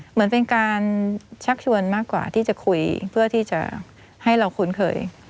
เหมือนเป็นการชักชวนมากกว่าที่จะคุยเพื่อที่จะให้เราคุ้นเคย